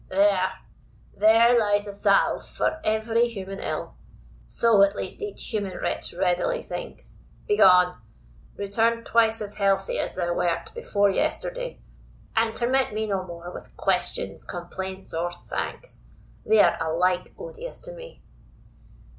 "There there lies a salve for every human ill; so, at least, each human wretch readily thinks. Begone; return twice as wealthy as thou wert before yesterday, and torment me no more with questions, complaints, or thanks; they are alike odious to me."